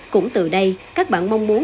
cũng từ đây các bạn mong muốn